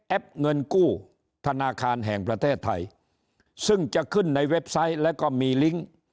เงินกู้ธนาคารแห่งประเทศไทยซึ่งจะขึ้นในเว็บไซต์แล้วก็มีลิงก์